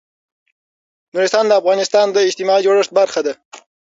نورستان د افغانستان د اجتماعي جوړښت برخه ده.